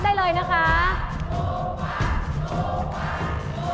อ๋อนี่คือร้านเดียวกันเหรออ๋อนี่คือร้านเดียวกันเหรอ